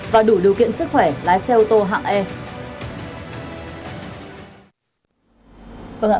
và đủ điều kiện sức khỏe lái xe ô tô hạng e